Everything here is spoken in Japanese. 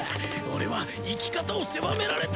俺は生き方を狭められたくない！